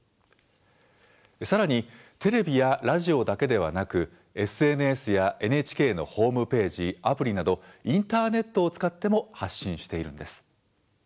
さらにテレビやラジオだけではなくＳＮＳやＮＨＫのホームページアプリなどインターネットを使っても発信しているんです。